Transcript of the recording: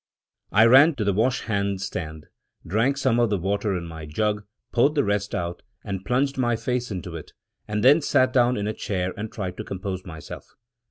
I ran to the wash hand stand; drank some of the water in my jug; poured the rest out, and plunged my face into it; then sat down in a chair and tried to compose myself.